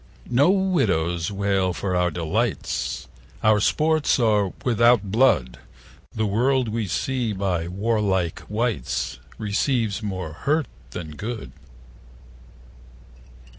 No widows wail for our delights, Our sports are without blood; The world we see by warlike wights 55 Receives more hurt than good.